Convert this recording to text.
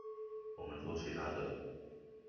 我們做其他的